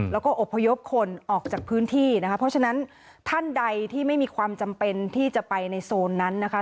แล้วก็อบพยพคนออกจากพื้นที่นะคะเพราะฉะนั้นท่านใดที่ไม่มีความจำเป็นที่จะไปในโซนนั้นนะคะ